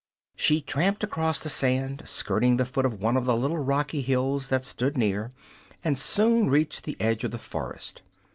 She tramped across the sand, skirting the foot of one of the little rocky hills that stood near, and soon reached the edge of the forest.